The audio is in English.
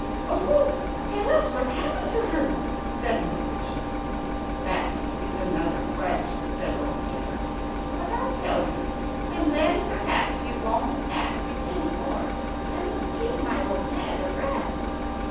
"Oh, tell us what happened to her!" said Maroosia. "That is another question," said old Peter; "but I'll tell you, and then perhaps you won't ask any more, and will give my old head a rest."